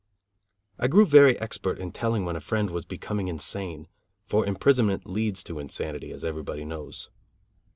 I grew very expert in telling when a friend was becoming insane; for imprisonment leads to insanity, as everybody knows.